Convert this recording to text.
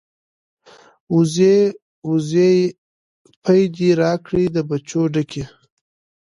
ـ وزې وزې پۍ دې راکړې د پچو ډکې.